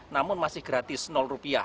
namun masih gratis rupiah